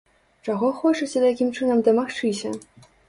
Чаго хочаце такім чынам дамагчыся?